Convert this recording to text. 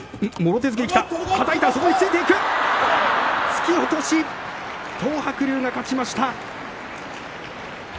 突き落とし東白龍が勝ちました。